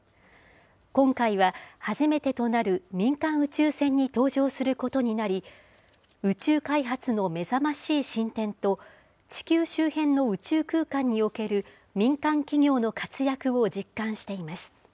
今回は初めてとなる民間宇宙船に搭乗することになり、宇宙開発の目覚ましい進展と、地球周辺の宇宙空間における民間企業の活躍を実感しています。